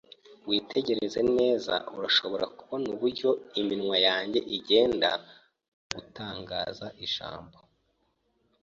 Witegereze neza urashobora kubona uburyo iminwa yanjye igenda mugutangaza ijambo.